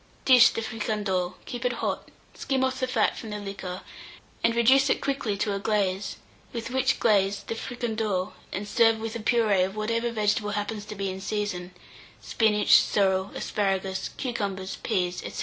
Dish the fricandeau, keep it hot, skim off the fat from the liquor, and reduce it quickly to a glaze, with which glaze the fricandeau, and serve with a purée of whatever vegetable happens to be in season spinach, sorrel, asparagus, cucumbers, peas, &c.